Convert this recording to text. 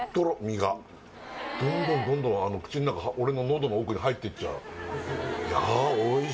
身がどんどんどんどん口の中俺の喉の奥に入ってっちゃうやーおい